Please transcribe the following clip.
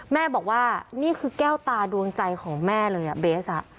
แม่บอกว่านี่คือแก้วตาดวงใจของแม่เลยเบส